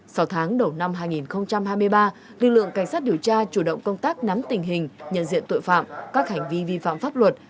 sau tháng đầu năm hai nghìn hai mươi ba lực lượng cảnh sát điều tra chủ động công tác nắm tình hình nhận diện tội phạm các hành vi vi phạm pháp luật